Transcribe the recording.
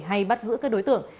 hay bắt giữ các đối tượng